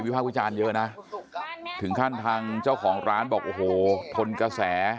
วิภาควิจารณ์เยอะนะถึงขั้นทางเจ้าของร้านบอกโหถนเกษร